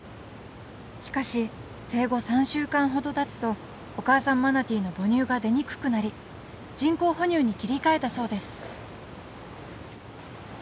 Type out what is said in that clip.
しかし生後３週間ほどたつとお母さんマナティーの母乳が出にくくなり人工哺乳に切り替えたそうです